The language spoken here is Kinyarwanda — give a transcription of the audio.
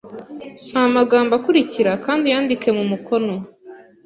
Soma amagambo akurikira kandi uyandike mu mukono